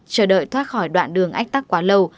chờ đợi thoát khỏi đoạn đường ách tắc quá lâu